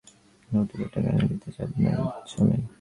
গতকাল তাঁকে বাবার বাড়ি থেকে যৌতুকের টাকা এনে দিতে চাপ দেন স্বামী।